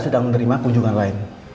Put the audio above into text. sedang menerima kunjungan lain